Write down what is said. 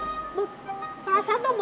kalau ngasih susan tuh bekal